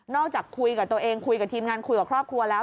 จากคุยกับตัวเองคุยกับทีมงานคุยกับครอบครัวแล้ว